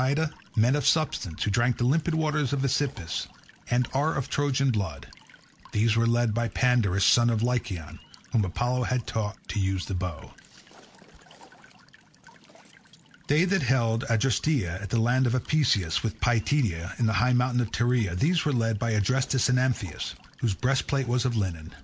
Ida, men of substance, who drink the limpid waters of the Aesepus, and are of Trojan blood—these were led by Pandarus son of Lycaon, whom Apollo had taught to use the bow. They that held Adresteia and the land of Apaesus, with Pityeia, and the high mountain of Tereia—these were led by Adrestus and Amphius, whose breastplate was of linen.